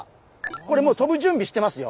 これもうとぶ準備してますよ。